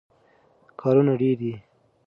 کارونه ډېر دي.